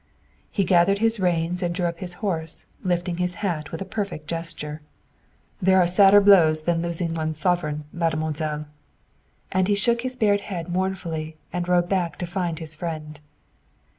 He gathered his reins and drew up his horse, lifting his hat with a perfect gesture. "There are sadder blows than losing one's sovereign, Mademoiselle!" and he shook his bared head mournfully and rode back to find his friend.